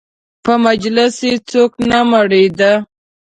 په مجلس یې څوک نه مړېده.